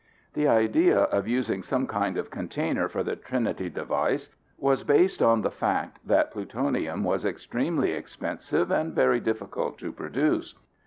The idea of using some kind of container for the Trinity device was based on the fact that plutonium was extremely expensive and very difficult to produce.